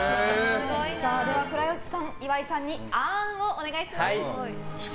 倉由さん、岩井さんにあーんお願いします。